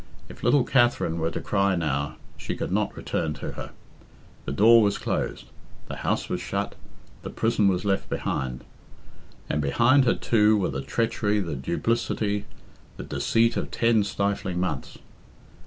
If little Katherine were to cry now, she could not return to her. The door was closed, the house was shut, the prison was left behind. And behind her, too, were the treachery, the duplicity, and deceit of ten stifling months.